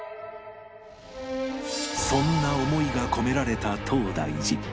そんな思いが込められた東大寺